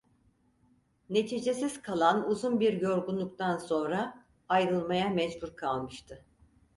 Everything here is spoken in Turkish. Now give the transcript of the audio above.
Neticesiz kalan uzun bir yorgunluktan sonra ayrılmaya mecbur kalmıştı.